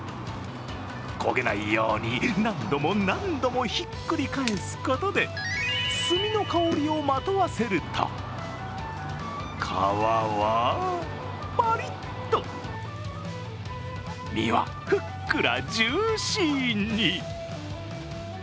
焦げないように、何度も何度もひっくり返すことで炭の香りをまとわせると皮はパリッと身はふっくらジューシーに。